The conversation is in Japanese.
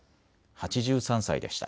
８３歳でした。